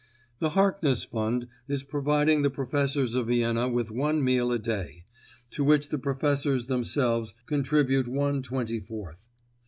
The Harkness Fund is providing the professors of Vienna with one meal a day, to which the professors themselves contribute one twenty fourth.